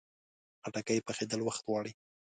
خټکی پخېدل وخت غواړي.